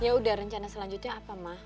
yaudah rencana selanjutnya apa mah